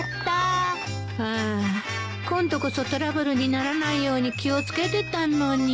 ああ今度こそトラブルにならないように気を付けてたのに。